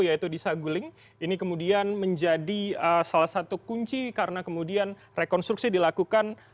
yaitu di saguling ini kemudian menjadi salah satu kunci karena kemudian rekonstruksi dilakukan